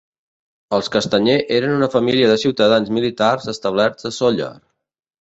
Els Castanyer eren una família de ciutadans militars establerts a Sóller.